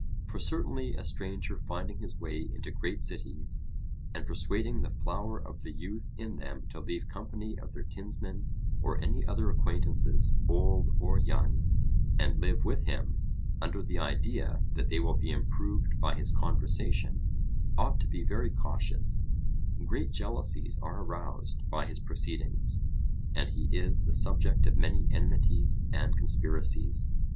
For certainly a stranger finding his way into great cities, and persuading the flower of the youth in them to leave company of their kinsmen or any other acquaintances, old or young, and live with him, under the idea that they will be improved by his conversation, ought to be very cautious; great jealousies are aroused by his proceedings, and he is the subject of many enmities and conspiracies.